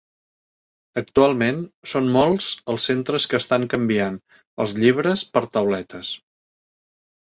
Actualment són molts els centres que estan canviant els llibres per tauletes.